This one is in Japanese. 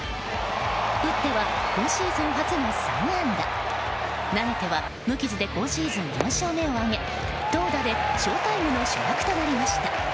打っては今シーズン初の３安打投げては無傷で今シーズン４勝目を挙げ投打でショウタイムの主役となりました。